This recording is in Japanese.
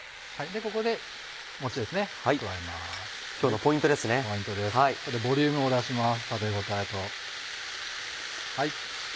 ここでボリュームを出します食べ応えと。